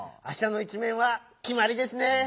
あしたの一めんはきまりですね。